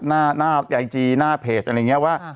หน้าไอจีหน้าเพจอะไรอย่างนี้ว่า